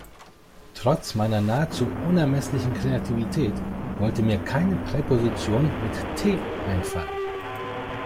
Trotz meiner nahezu unermesslichen Kreativität wollte mir keine Präposition mit T einfallen.